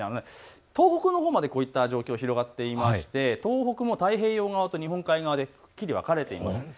遠くの山まで、こういった状況が広がっていて太平洋側と日本海側でくっきり分かれています。